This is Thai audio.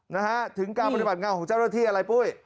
นะฮะถึงการปฏิบัติงานของเจ้าหน้าที่อะไรปุ้ย